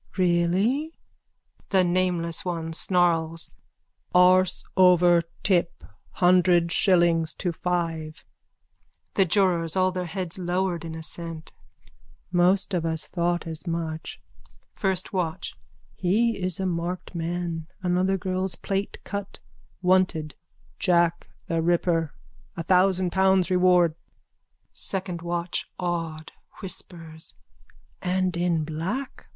_ Really? THE NAMELESS ONE: (Snarls.) Arse over tip. Hundred shillings to five. THE JURORS: (All their heads lowered in assent.) Most of us thought as much. FIRST WATCH: He is a marked man. Another girl's plait cut. Wanted: Jack the Ripper. A thousand pounds reward. SECOND WATCH: (Awed, whispers.) And in black.